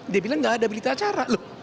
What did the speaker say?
dia bilang nggak ada berita acara